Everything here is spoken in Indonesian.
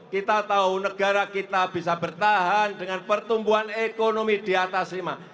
kita tahu negara kita bisa bertahan dengan pertumbuhan ekonomi di atas lima